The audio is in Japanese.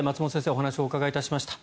お話をお伺いしました。